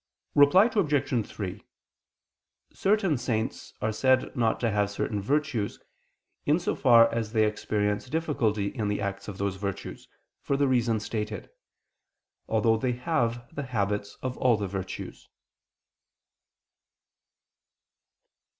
Reply Obj. 3: Certain saints are said not to have certain virtues, in so far as they experience difficulty in the acts of those virtues, for the reason stated; although they have the habits of all the virtues.